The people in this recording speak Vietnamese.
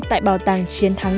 tại bào tàng chiến thắng